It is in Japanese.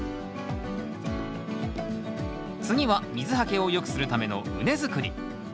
次は水はけを良くするための畝作り。